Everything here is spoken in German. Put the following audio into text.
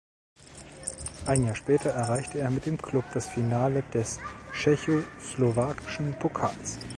Ein Jahr später erreichte er mit dem Klub das Finale des Tschechoslowakischen Pokals.